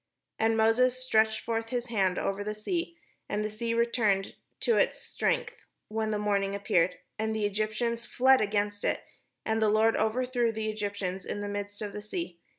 And Moses stretched forth his hand over the sea, and the sea returned to his strength when the morning appeared; and the Egyptians fled against it; and the Lord overthrew the Egyptians in the midst of the sea.